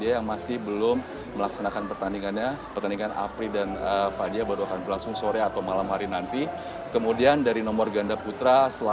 ini yang baru saja menyelesaikan pertandingan yang siang tadi juga harus mengakui keunggulan asal tiongkok chen qingchen jia yifan